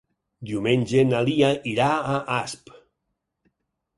Diumenge na Lia irà a Asp.